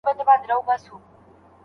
آیا ساه اخیستل تر اوبو څښلو اړین دي؟